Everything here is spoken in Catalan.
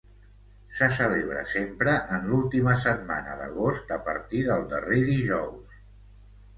Se celebra sempre en l'última setmana d'agost a partir del darrer dijous.